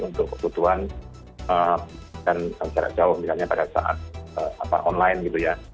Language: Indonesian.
untuk kebutuhan dan jarak jauh misalnya pada saat online gitu ya